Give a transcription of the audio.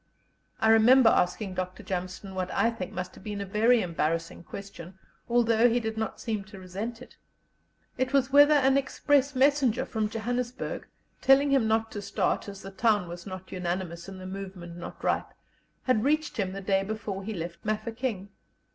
I remember asking Dr. Jameson what I think must have been a very embarrassing question, although he did not seem to resent it. It was whether an express messenger from Johannesburg, telling him not to start, as the town was not unanimous and the movement not ripe, had reached him the day before he left Mafeking.